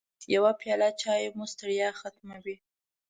يوه پیاله چای مو ستړیا ختموي.